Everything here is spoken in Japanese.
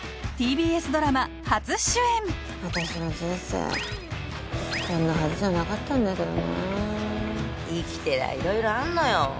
私の人生こんなはずじゃなかったんだけどな生きてりゃ色々あんのよ